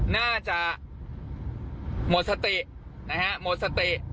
น่าจะหมดสติ